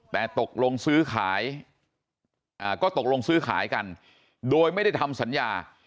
แต่ตกลงซื้อขายก็ตกลงซื้อขายกันโดยไม่ได้ทำสัญญา